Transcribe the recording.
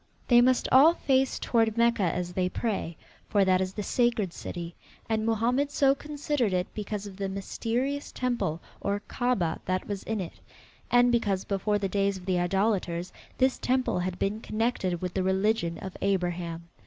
They must all face toward Mecca as they pray, for that is the sacred city; and Mohammed so considered it because of the mysterious temple or Kaabah that was in it, and because, before the days of the idolaters, this temple had been connected with the religion of Abraham.